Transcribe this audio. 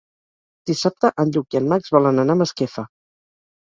Dissabte en Lluc i en Max volen anar a Masquefa.